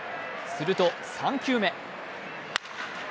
すると３球目。